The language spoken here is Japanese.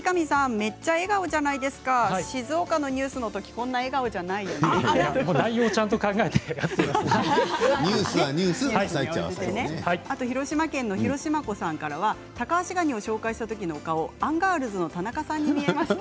めっちゃ笑顔じゃないですか静岡のニュースのとき内容をちゃんと考えて広島県の方からはタカアシガニを紹介したときの顔アンガールズの田中さんに見えました。